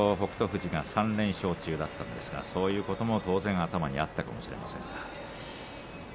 富士が３連勝中だったんですがそういうことも当然頭にあったのかもしれません。